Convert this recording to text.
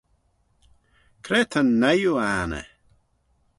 Cre ta'n nuyoo anney?